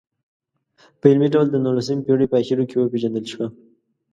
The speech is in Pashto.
په علمي ډول د نولسمې پېړۍ په اخرو کې وپېژندل شوه.